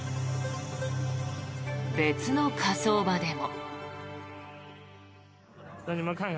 別の火葬場でも。